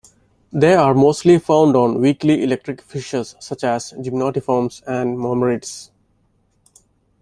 They are mostly found on weakly electric fishes such as gymnotiforms and mormyrids.